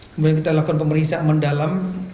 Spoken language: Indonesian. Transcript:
kemudian kita lakukan pemeriksaan mendalam